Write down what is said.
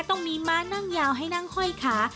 ต้องมีม้านั่งยาวให้นั่งห้อยขา